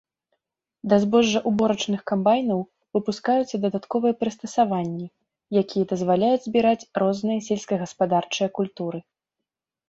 Да збожжаўборачных камбайнаў выпускаюцца дадатковыя прыстасаванні, якія дазваляюць збіраць розныя сельскагаспадарчыя культуры.